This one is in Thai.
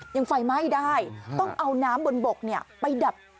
ยังไฟไหม้ได้ต้องเอาน้ำบนนบกเนี่ยไป